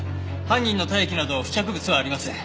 犯人の体液など付着物はありません。